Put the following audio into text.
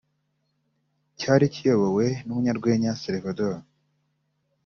cyari kiyobowe n’umunyarwenya Salvador